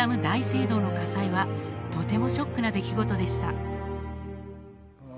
大聖堂の火災はとてもショックな出来事でした